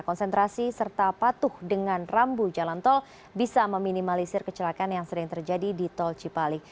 konsentrasi serta patuh dengan rambu jalan tol bisa meminimalisir kecelakaan yang sering terjadi di tol cipali